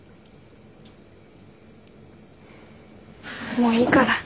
もういいから。